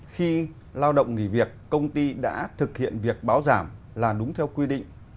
khi lao động nghỉ việc công ty đã thực hiện việc báo giảm là đúng theo quy định